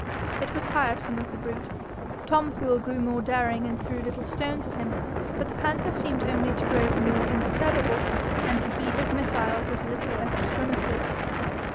It was tiresome of the brute. Tom Fool grew more daring and threw little stones at him, but the panther seemed only to grow the more imperturbable, and to heed his missiles as little as his grimaces.